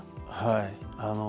はい。